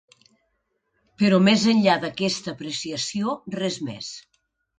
Però més enllà d’aquesta apreciació, res més.